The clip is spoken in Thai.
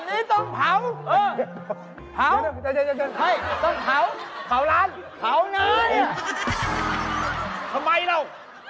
ไม่รู้ว่าทำงานแล้วกินข้าวในเวลา